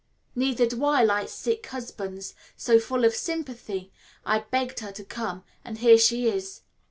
Neither do I like sick husbands, so, full of sympathy, I begged her to come, and here she is.